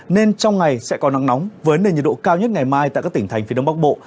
nên trong ngày sẽ có nắng nóng với nền nhiệt độ cao nhất ngày mai tại các tỉnh thành phía đông bắc bộ